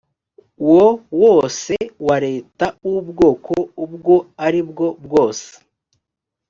wo wose wa leta w ubwoko ubwo ari bwo bwose